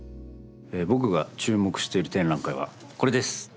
僕が注目している展覧会はこれです！